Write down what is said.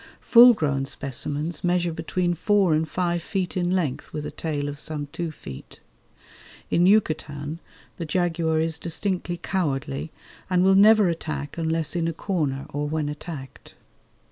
Full grown specimens measure between four and five feet in length with a tail of some two feet. In Yucatan the jaguar is distinctly cowardly, and will never attack unless in a corner or when attacked.